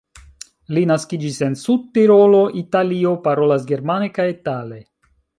Li naskiĝis en Sud-Tirolo, Italio, parolas germane kaj itale.